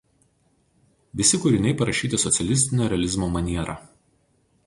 Visi kūriniai parašyti socialistinio realizmo maniera.